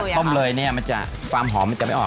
ถ้าเกิดว่าต้มเลยฟาร์มหอมมันจะไม่ออก